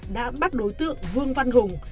đã bắt đối tượng vương văn hùng